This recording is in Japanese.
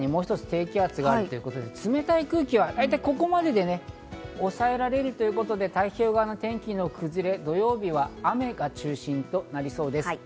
ただもう一つ、日本海に低気圧があって、冷たい空気は大体ここまでで抑えられるということで太平洋側の天気の崩れが、土曜日は雨が中心となりそうです。